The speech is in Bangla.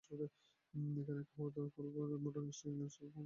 এখানেই খাওয়া হলো কলপাতায় মোড়ানো স্টিং রে, স্যালমন, ম্যাকারেল মাছের পোড়ানো খাবার।